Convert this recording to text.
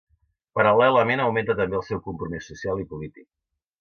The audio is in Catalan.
Paral·lelament augmenta també el seu compromís social i polític.